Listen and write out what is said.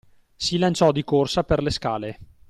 Si lanciò di corsa per le scale.